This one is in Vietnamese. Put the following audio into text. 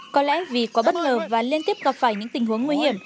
có lẽ vì quá bất ngờ và liên tiếp gặp phải những tình huống nguy hiểm